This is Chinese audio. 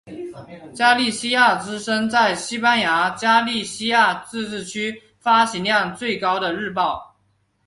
加利西亚之声是在西班牙加利西亚自治区发行量最高的日报。